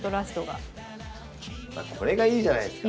これがいいじゃないですか。